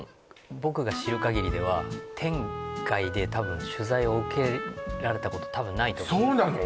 僕が知るかぎりではテレビ界で多分取材を受けられたこと多分ないとそうなの？